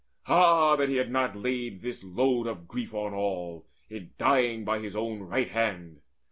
Ah that he had not laid this load of grief On all, in dying by his own right hand!